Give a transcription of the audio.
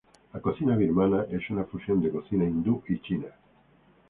La cocina birmana es una fusión de cocina hindú y china.